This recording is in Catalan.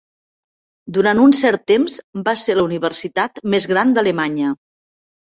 Durant un cert temps va ser la universitat més gran d'Alemanya.